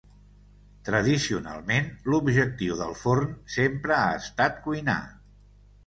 Tradicionalment, l'objectiu del forn sempre ha estat cuinar.